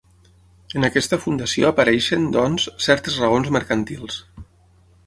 En aquesta fundació apareixen, doncs, certes raons mercantils.